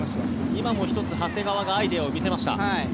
今も１つ長谷川がアイデアを見せました。